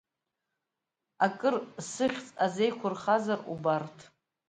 Акыр сыхьӡ азеиқәырхазар убарҭ…